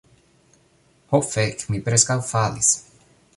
Ho fek' mi preskaŭ falis